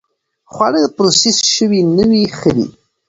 خواړه پروسس شوي نه وي، ښه دي.